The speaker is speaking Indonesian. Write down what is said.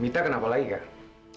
mita kenapa lagi kak